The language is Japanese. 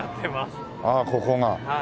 ああここが。